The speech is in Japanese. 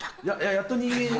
「やっと人間に」？